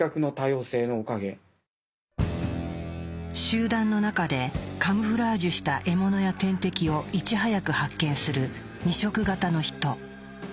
集団の中でカムフラージュした獲物や天敵をいち早く発見する２色型のヒト。